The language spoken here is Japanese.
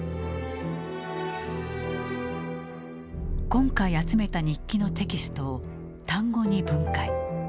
今回集めた日記のテキストを単語に分解。